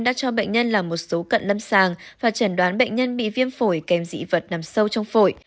đã cho bệnh nhân làm một số cận lâm sàng và chẩn đoán bệnh nhân bị viêm phổi kèm dị vật nằm sâu trong phổi